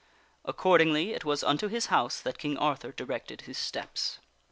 Accordingly it was unto his house that King Arthur directed his steps.